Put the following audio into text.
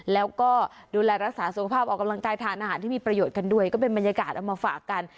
แล้วก็ดูแลรักษาสุขภาพออกกำลังกายทานอาหารที่มีประโยชน์กันด้วยก็เป็นบรรยากาศเอามาฝากกัน